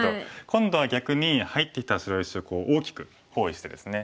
今度は逆に入ってきた白石を大きく包囲してですね。